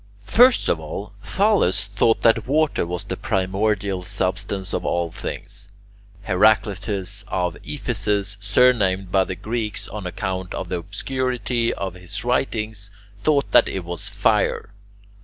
First of all Thales thought that water was the primordial substance of all things. Heraclitus of Ephesus, surnamed by the Greeks [Greek: skoteinos] on account of the obscurity of his writings, thought that it was fire.